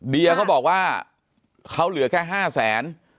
บีย่าก็บอกว่าเขาเหลือแค่ห้าแสน